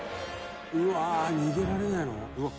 「うわー逃げられないの？」